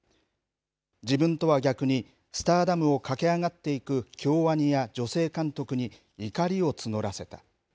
自分とは逆にスターダムを駆け上がっていく京アニや女性監督に、怒りを募らせた。